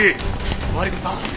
マリコさん！